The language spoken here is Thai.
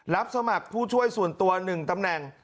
รับสมัครผู้ช่วยส่วนตัว๑ตำแหน่ง